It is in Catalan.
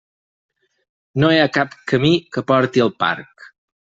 No hi ha cap camí que porti al parc.